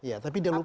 iya tapi dia lupa